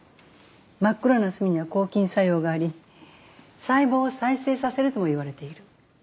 真っ黒な墨には抗菌作用があり細胞を再生させるともいわれている。